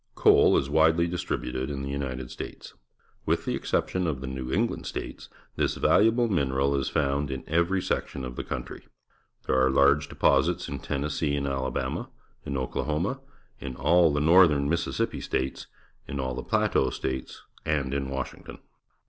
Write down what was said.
— Coal is wadely distributed in the L'nited States. With the exception of the New England States, this valuable mineral is found in every section of the country. There are large deposits in Tennes see and Alabama, in Oklahoma, in all the Northern IMississippi States, in all the Plateau States, and in Washington.